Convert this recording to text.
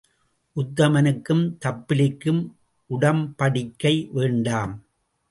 உத்தமனுக்கும் தப்பிலிக்கும் உடம்படிக்கை வேண்டாம்.